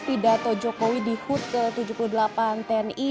pidato jokowi di hut ke tujuh puluh delapan tni